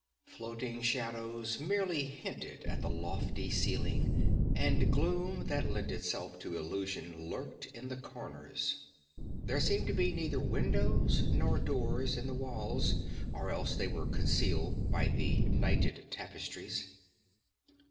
Floating shadows merely hinted at the lofty ceiling, and gloom that lent itself to illusion lurked in the corners. There seemed to be neither windows nor doors in the walls, or else they were concealed by the nighted tapestries.